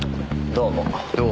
どうも。